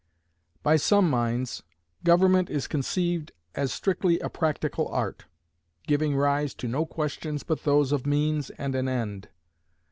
By some minds, government is conceived as strictly a practical art, giving rise to no questions but those of means and an end.